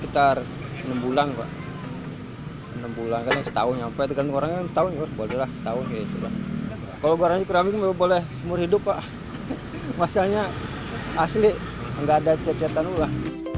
tidak ada cecetan ulah